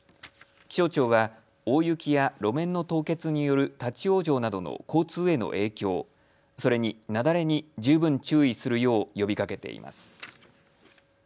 気象庁は大雪や路面の凍結による立往生などの交通への影響、それに雪崩に十分注意するよう呼びかけています。